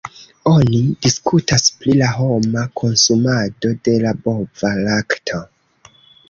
Oni diskutas pri la homa konsumado de la bova lakto.